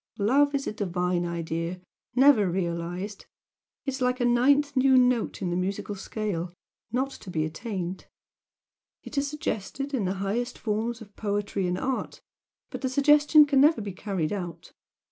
Love is a divine idea, never realised. It is like a ninth new note in the musical scale not to be attained. It is suggested in the highest forms of poetry and art, but the suggestion can never be carried out.